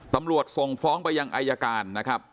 ส่งฟ้องไปยังอายการนะครับ